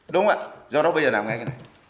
đúng không ạ do đó bây giờ làm ngay cái này